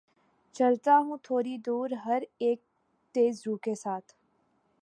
چلتا ہوں تھوڑی دور‘ ہر اک تیز رو کے ساتھ